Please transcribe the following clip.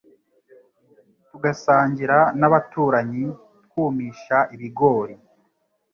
tugasangira n’abaturanyi. Twumisha ibigori